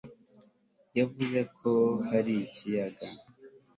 Yavuze ko hari ikiyaga